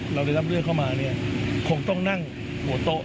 เราได้รับเรื่องเข้ามาเนี่ยคงต้องนั่งหัวโต๊ะ